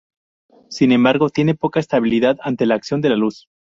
Sin embargo, tiene poca estabilidad ante la acción de la luz.